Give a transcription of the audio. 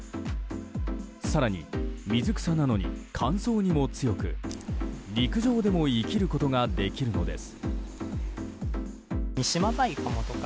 更に、水草なのに乾燥にも強く陸上でも生きることができるのです。